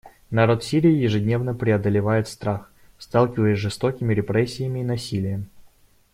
Народ Сирии ежедневно преодолевает страх, сталкиваясь с жестокими репрессиями и насилием.